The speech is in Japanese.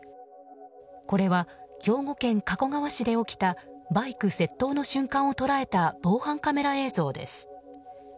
これは兵庫県加古川市で起きたバイク窃盗の瞬間を捉えた防犯カメラ映像です。